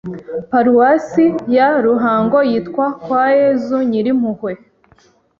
Paruwasi ya Ruhango yitwa kwa Yezu nyirimpuhwe